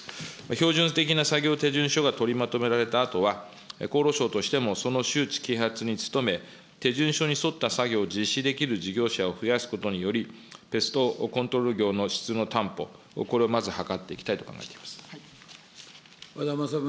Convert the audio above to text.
標準的な作業手順書が取りまとめられたあとは、厚労省としても、その周知、啓発に努め、手順書に沿った作業を実施できる事業者を増やすことにより、ペストコントロール業の質の担保、これをまず図っていきたいと考えています。